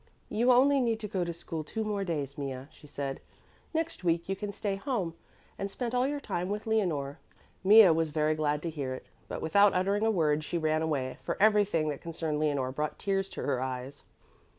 "You only need to go to school two more days, Mea," she said. "Next week you can stay home and spend all your time with Leonore." Mea was very glad to hear it, but without uttering a word she ran away, for everything that concerned Leonore brought tears to her eyes.